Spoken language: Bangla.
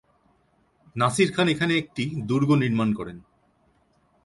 নাসির খান এখানে একটি দুর্গ নির্মাণ করেন।